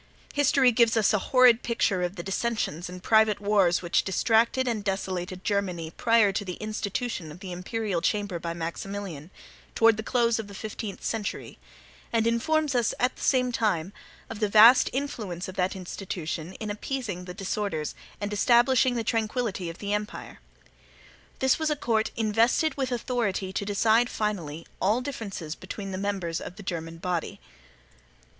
History gives us a horrid picture of the dissensions and private wars which distracted and desolated Germany prior to the institution of the Imperial Chamber by Maximilian, towards the close of the fifteenth century; and informs us, at the same time, of the vast influence of that institution in appeasing the disorders and establishing the tranquillity of the empire. This was a court invested with authority to decide finally all differences among the members of the Germanic body.